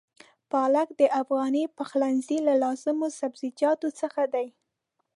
پالک د افغاني پخلنځي له لازمو سبزيجاتو څخه دی.